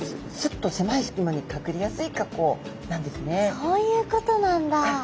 そういうことなんだ。